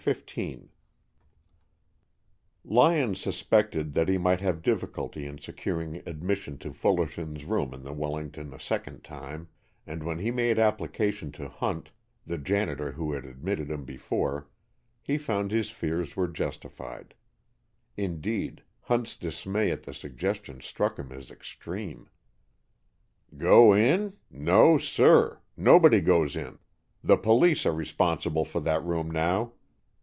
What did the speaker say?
CHAPTER XV Lyon suspected that he might have difficulty in securing admission to Fullerton's room in the Wellington a second time, and when he made application to Hunt, the janitor who had admitted him before, he found his fears were justified. Indeed, Hunt's dismay at the suggestion struck him as extreme. "Go in? No, sir! Nobody goes in. The police are responsible for that room, now.